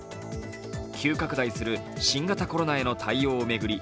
急拡大する新型コロナへの対応を巡り